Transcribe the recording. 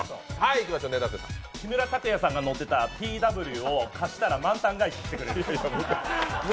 木村拓哉さんが乗っていたＴＷを貸したら満タン返ししてくれる。